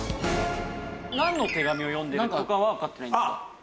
なんの手紙を読んでるとかはわかってないんですか？